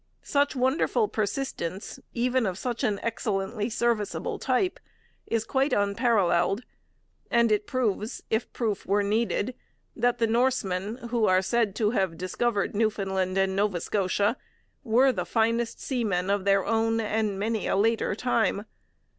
Such wonderful persistence, even of such an excellently serviceable type, is quite unparalleled; and it proves, if proof were needed, that the Norsemen who are said to have discovered Newfoundland and Nova Scotia were the finest seamen of their own and many a later time.